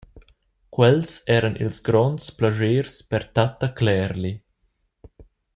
Quels eran ils gronds plaschers per tatta Clärli.